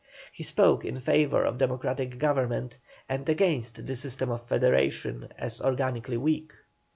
He spoke in favour of democratic government, and against the system of federation, as organically weak.